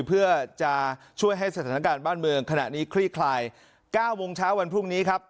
เพื่อจะช่วยให้สถานการณ์บ้านเมืองขณะนี้คลี่คลาย๙โมงเช้าวันพรุ่งนี้ครับ